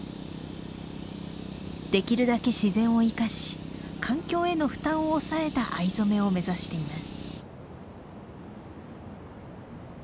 できるだけ自然を生かし環境への負担を抑えた藍染めを目指しています。